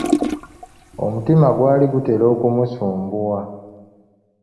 Omutima gwali gutera okumusumbuwa.